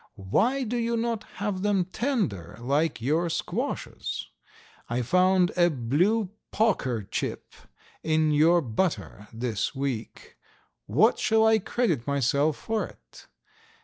Why do you not have them tender like your squashes? I found a blue poker chip in your butter this week. What shall I credit myself for it?